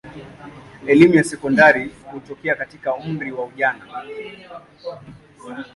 Elimu ya sekondari hutokea katika umri wa ujana.